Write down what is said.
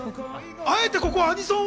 あえてここはアニソンを。